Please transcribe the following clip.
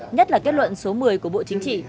nhất là kết luận số một mươi của bộ chính trị